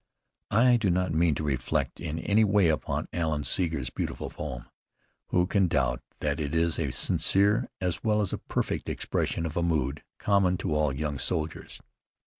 I do not mean to reflect in any way upon Alan Seeger's beautiful poem. Who can doubt that it is a sincere, as well as a perfect, expression of a mood common to all young soldiers?